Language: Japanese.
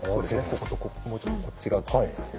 こことここもうちょっとこっち側意識して。